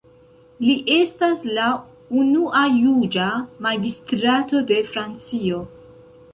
Li estas la unua juĝa magistrato de Francio.